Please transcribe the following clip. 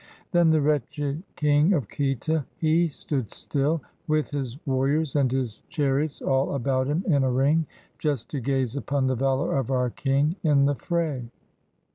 Then the wretched king of Khita, he stood still, With his warriors and his chariots all about him in a ring, Just to gaze upon the valor of our king In the fray.